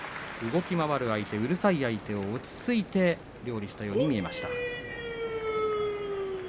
動き回る相手うるさい相手を落ち着いて料理したように見えました。